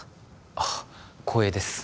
あっ光栄です